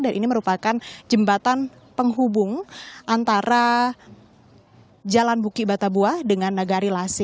dan ini merupakan jembatan penghubung antara jalan buki batabua dengan nagari lasi